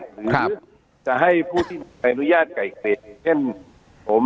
หรือจะให้ผู้ที่ไขรุญญาติไก่เขสเช่นผม